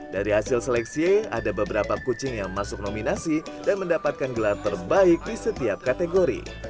dari hasil seleksi ada beberapa kucing yang masuk nominasi dan mendapatkan gelar terbaik di setiap kategori